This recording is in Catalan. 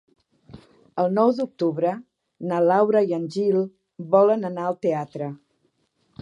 El nou d'octubre na Laura i en Gil volen anar al teatre.